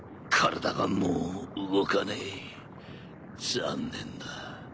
残念だ。